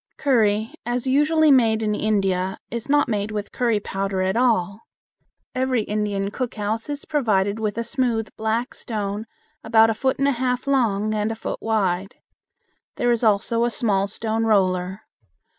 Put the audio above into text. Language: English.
Curry, as usually made in India, is not made with curry powder at all. Every Indian cook house is provided with a smooth black stone about a foot and a half long and a foot wide. There is also a small stone roller.